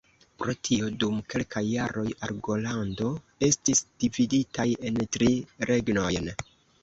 Pro tio, dum kelkaj jaroj, Argolando estis dividitaj en tri regnojn.